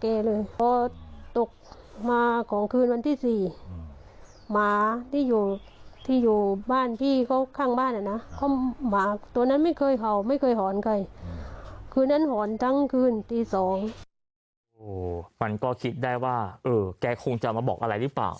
แกคงจะมาบอกอะไรหรือเปล่า